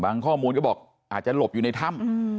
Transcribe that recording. ข้อมูลก็บอกอาจจะหลบอยู่ในถ้ำ